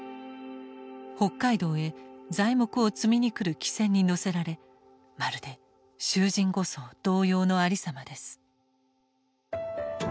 北海道へ材木を積みに来る汽船に乗せられまるで囚人護送同様の有様です」。